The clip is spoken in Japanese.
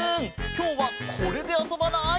きょうはこれであそばない？